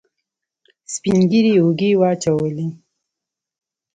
سپينږيري اوږې واچولې.